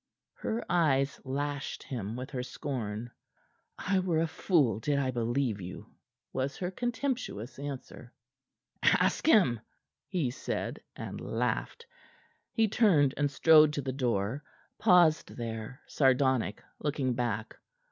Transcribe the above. Her eyes lashed him with her scorn. "I were a fool did I believe you," was her contemptuous answer. "Ask him," he said, and laughed. He turned and strode to the door. Paused there, sardonic, looking back.